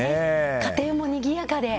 家庭もにぎやかで。